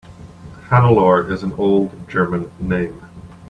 Hannelore is an old German name.